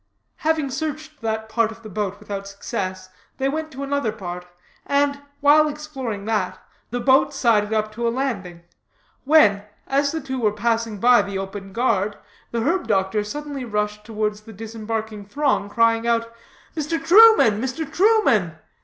Having searched that part of the boat without success, they went to another part, and, while exploring that, the boat sided up to a landing, when, as the two were passing by the open guard, the herb doctor suddenly rushed towards the disembarking throng, crying out: "Mr. Truman, Mr. Truman!